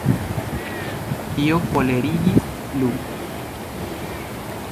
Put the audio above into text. Tio kolerigis Lu.